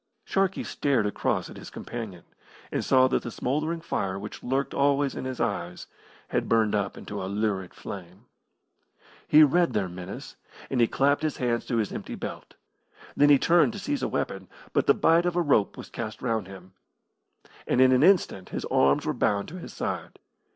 Sharkey stared across at his companion, and saw that the smouldering fire which lurked always in his eyes had burned up into a lurid flame. He read their menace, and he clapped his hands to his empty belt. Then he turned to seize a weapon, but the bight of a rope was cast round him, and in an instant his arms were bound to his side.